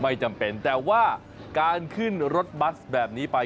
ไม่จำเป็นแต่ว่าการขึ้นรถบัสแบบนี้ไป